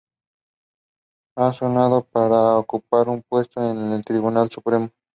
Ha sonado para ocupar un puesto en el Tribunal Supremo.